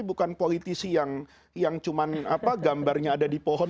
bukan politisi yang cuma gambarnya ada di pohon